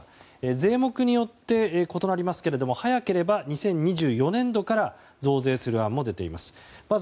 税目によって異なりますが早ければ２０２４年度から増税する案も出ています。